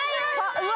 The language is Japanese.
うわ！